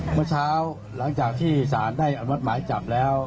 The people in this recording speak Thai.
เมื่อเช้าหลังจากที่สารได้อนุมัติหมายจับแล้ว